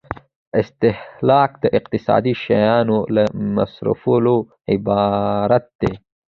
استهلاک د اقتصادي شیانو له مصرفولو عبارت دی.